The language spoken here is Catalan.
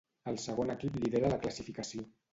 El segon equip lidera la classificació.